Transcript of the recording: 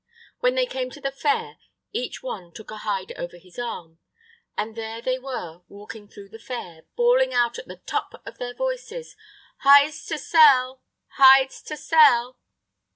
When they came to the fair, each one took a hide over his arm, and there they were walking through the fair, bawling out at the top of their voices: "Hides to sell! hides to sell!"